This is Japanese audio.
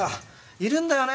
いるんだよね